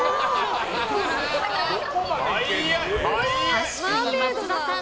確かに、松田さん